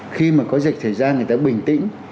khi mà có dịch thời gian người ta bình tĩnh